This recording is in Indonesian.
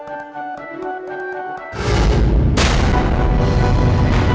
alhamdulillah saya dapet alamin dulu